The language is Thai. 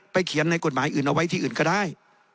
เขียนในกฎหมายอื่นเอาไว้ที่อื่นก็ได้